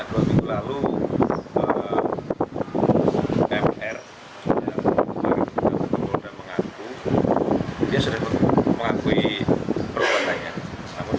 dua minggu lalu mr sudah mengaku dia sudah mengakui perubahan lainnya namun kan masih raku